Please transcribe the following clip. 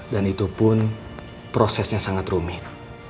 dan itu pun prosesnya sangat rumit